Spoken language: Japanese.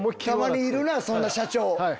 たまにいるなそんな社長。